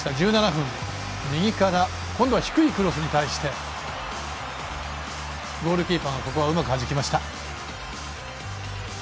１７分、右から今度は低いクロスに対してゴールキーパーがここはうまくはじきました。